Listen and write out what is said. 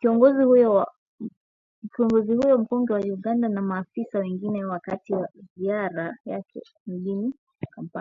kiongozi huyo mkongwe wa Uganda na maafisa wengine wakati wa ziara yake mjini kampala